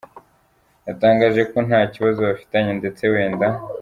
Yatangaje ko nta kibazo bafitanye ndetse wenda